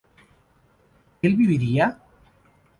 ¿él viviría?